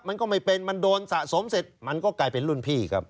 มันก็ไม่เป็นมันโดนสะสมเสร็จมันก็กลายเป็นรุ่นพี่ครับ